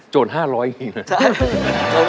โจร๕๐๐อย่างงี้นะ